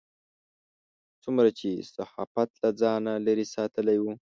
څومره چې صحافت له ځانه لرې ساتلی و.